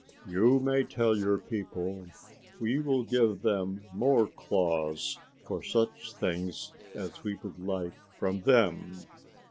You may tell your people we will give them more claws for such things as we would like from them.